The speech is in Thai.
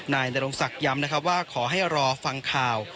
นายนรงศักดิ์ย้ำนะครับว่าขอให้รอฟังข่าว